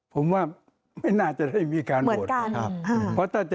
ผมว่าไม่น่าจะได้มีการโหวต